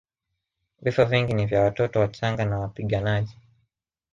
Vifo vingi ni vya watoto wachanga na wapiganaji